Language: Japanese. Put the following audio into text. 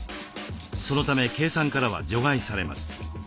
そのため計算からは除外されます。